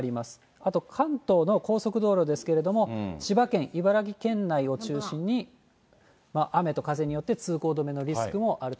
あと関東の高速道路ですけれども、千葉県、茨城県内を中心に、雨と風によって通行止めのリスクもあると。